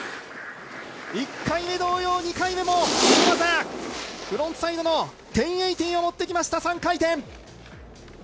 １回目同様、２回目もフロントサイドの１０８０持ってきました、３回転。